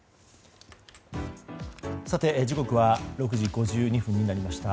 時刻は６時５２分になりました。